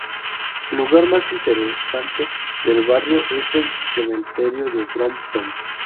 El lugar más interesante del barrio es el cementerio de Brompton.